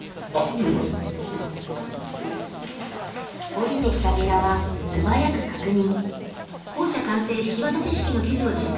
下りてきたゲラは素早く確認。